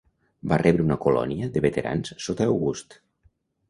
Va rebre una colònia de veterans sota August.